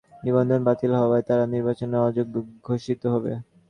হাইকোর্টের রায়ে জামায়াতের নিবন্ধন বাতিল হওয়ায় তারা নির্বাচনে অযোগ্য ঘোষিত হবে।